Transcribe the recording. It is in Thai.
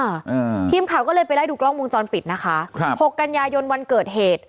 อ่าทีมข่าวก็เลยไปไล่ดูกล้องวงจรปิดนะคะครับหกกันยายนวันเกิดเหตุ